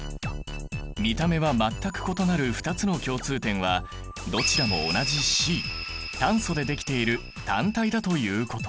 見た目は全く異なる２つの共通点はどちらも同じＣ炭素でできている単体だということ。